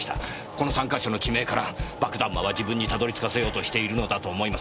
この３か所の地名から爆弾魔は自分にたどり着かせようとしているのだと思います。